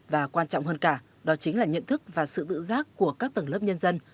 và quan trọng hơn cả đó chính là nhận thức và sự tự giác của các tầng lớp nhân dân